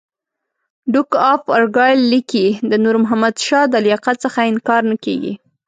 ډوک اف ارګایل لیکي د نور محمد شاه د لیاقت څخه انکار نه کېږي.